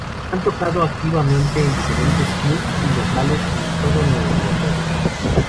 Han tocado activamente en diferentes clubs y locales en todo Nueva Inglaterra.